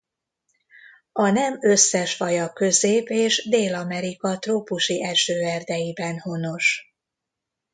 A nem összes faja Közép- és Dél-Amerika trópusi esőerdeiben honos.